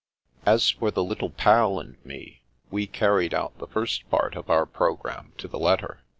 As for the Little Pal and me, we carried out the first part of our programme to the letter.